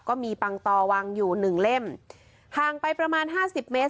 ปังตอวางอยู่หนึ่งเล่มห่างไปประมาณห้าสิบเมตร